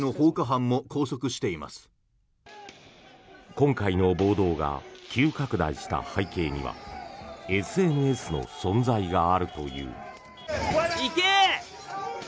今回の暴動が急拡大した背景にはＳＮＳの存在があるという。